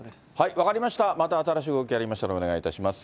分かりました、また新しい動きありましたら、お願いいたします。